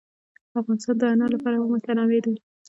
افغانستان د انار له پلوه متنوع دی.